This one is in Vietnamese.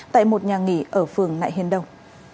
tại một nhà nghỉ ở phường nại hiên đông